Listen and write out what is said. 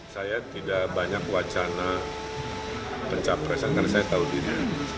saya tidak banyak wacana pencapresan karena saya tahu diri